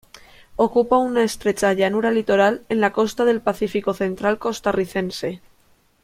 Ocupa una estrecha llanura litoral, en la costa del Pacífico Central costarricense.